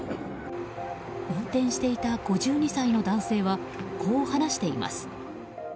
運転していた５２歳の男性はこう話しています。